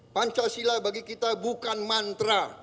pancasila bagi kita bukan mantra